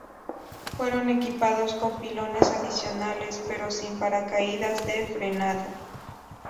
Fueron equipados con pilones adicionales pero, sin paracaídas de frenado.